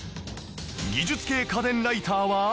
技術系家電ライターは